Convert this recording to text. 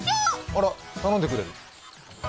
あら、頼んでくれる。